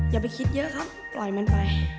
อย่าไปคิดเยอะครับปล่อยมันไป